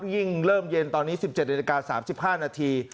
ยิ่งเริ่มเย็นตอนนี้๑๗นาฬิกา๓๕นาที